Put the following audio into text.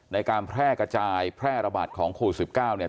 ในการแพร่กระจายแพร่ระบาดของโควิด๑๙เนี่ย